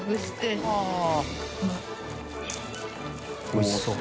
おいしそう。